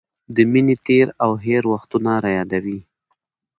د مینې تېر او هېر وختونه رايادوي.